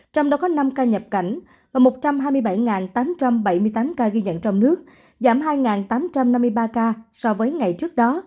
trong đó có năm ca nhập cảnh và một trăm hai mươi bảy tám trăm bảy mươi tám ca ghi nhận trong nước giảm hai tám trăm năm mươi ba ca so với ngày trước đó